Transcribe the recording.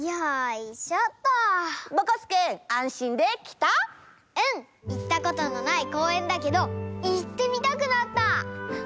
いったことのないこうえんだけどいってみたくなった！